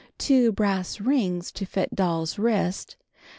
Two brass rings to fit doll's wrist.